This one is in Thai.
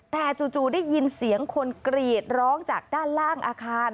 แต่จู่ได้ยินเสียงคนกรีดร้องจากด้านล่างอาคาร